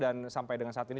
dan sampai dengan saat ini